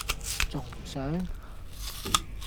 重唔上?